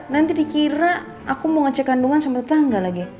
nanti dikira aku mau ngecek kandungan sama tetangga lagi